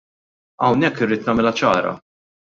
Hawnhekk irrid nagħmilha ċara.